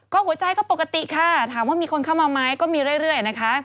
ก็หัวใจก็ปกติค่ะถามว่ามีคนเข้ามาไหมก็มีเรื่อยนะคะ